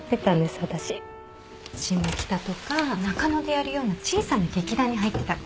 下北とか中野でやるような小さな劇団に入ってたの。